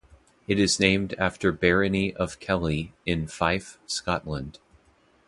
It is named after Barony of Kellie in Fife, Scotland.